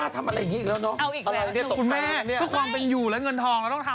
อะไรแบบนี้ตกไปแล้วแน่ะไม่คุณแม่เพราะความเป็นอยู่แล้วเงินทองต้องทำ